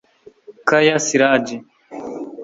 Kaya Siraji